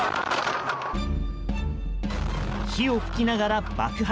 火を噴きながら爆発。